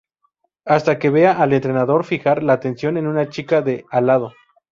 Hasta que ve al entrenador fijar la atención en una chica de al lado.